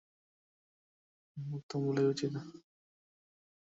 তিনি যে রাষ্ট্রীয় মূলনীতি ঘোষণা করেছিলেন, সেটি এখনো উত্তম বলে বিবেচিত।